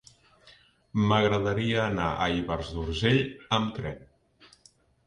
M'agradaria anar a Ivars d'Urgell amb tren.